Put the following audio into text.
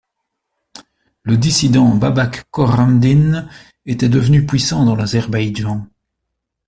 Le dissident Babak Khorramdin était devenu puissant dans l'Azerbaïdjan.